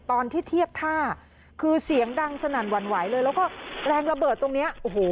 ตอนที่เทียบท่าคือเสียงดังสนั่นหวั่นไหวเลยแล้วก็แรงระเบิดตรงเนี้ยโอ้โห